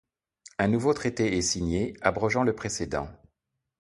Un nouveau traité est signé, abrogeant le précédent.